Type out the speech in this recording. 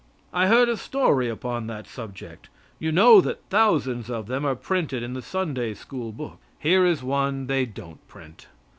I heard a story upon that subject. You know that thousands of them are printed in the Sunday school books. Here is one they don't print.